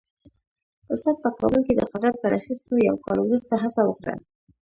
استاد په کابل کې د قدرت تر اخیستو یو کال وروسته هڅه وکړه.